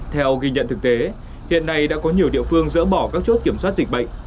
theo ghi nhận thực tế hiện nay đã có nhiều địa phương dỡ bỏ các chốt kiểm soát dịch bệnh